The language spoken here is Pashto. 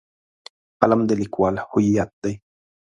قلم د لیکوال هویت دی.